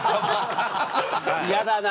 嫌だな。